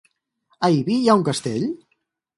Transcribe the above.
A Ibi hi ha un castell?